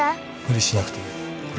無理しなくていい。